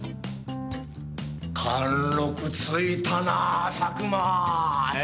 貫禄ついたなぁ佐久間。え？